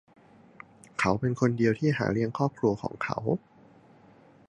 เขาเป็นคนเดียวที่หาเลี้ยงครอบครัวของเขา